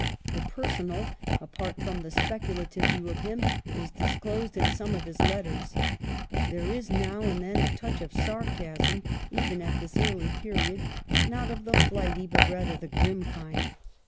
The personal apart from the speculative view of him is disclosed in some of his letters. There is now and then a touch of sarcasm, even at this early period, not of the flighty, but rather the grim kind.